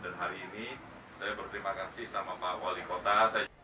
dan hari ini saya berterima kasih sama pak wali kota